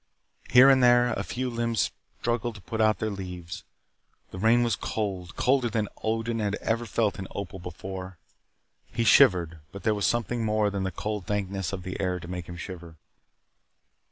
Here and there a few limbs struggled to put out their leaves. The rain was cold, colder than Odin had ever felt in Opal before. He shivered, but there was something more than the cold dankness of the air to make him shiver.